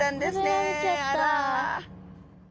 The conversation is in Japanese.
食べられちゃった。